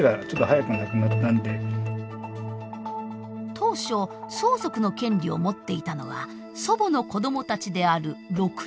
当初相続の権利を持っていたのは祖母の子どもたちである６人でした。